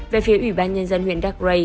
về phía ủy ban nhân dân huyện dark gray